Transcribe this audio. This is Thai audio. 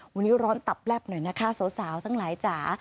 วันนี้ร้อนตับแลบหน่อยนะคะสาวทั้งหลายจ๋า